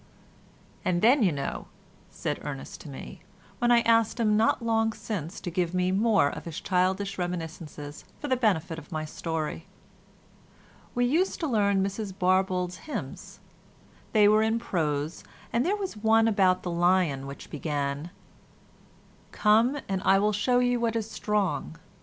"And then, you know," said Ernest to me, when I asked him not long since to give me more of his childish reminiscences for the benefit of my story, "we used to learn Mrs Barbauld's hymns; they were in prose, and there was one about the lion which began, 'Come, and I will show you what is strong.